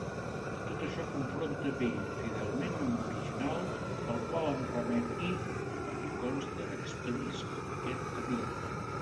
Tot això confronta bé i fidelment amb l'original al qual em remet i, perquè conste, expedisc aquest edicte.